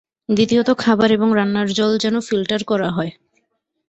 দ্বিতীয়ত খাবার এবং রান্নার জল যেন ফিল্টার করা হয়।